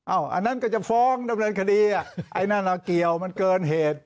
อันนั้นก็จะฟ้องดำเนินคดีอ่ะไอ้นั่นน่ะเกี่ยวมันเกินเหตุ